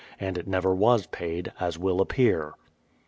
And it never was paid, as will appear.